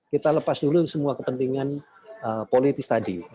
kita lepas dulu semua kepentingan politis tadi